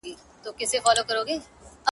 د خپل ناموس له داستانونو سره لوبي کوي٫